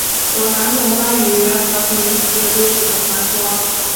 有两种关于和平寺历史的传说。